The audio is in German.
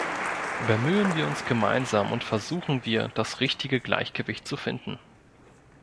Bemühen wir uns gemeinsam und versuchen wir, das richtige Gleichgewicht zu finden.